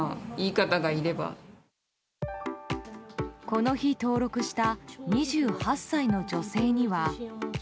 この日、登録した２８歳の女性には。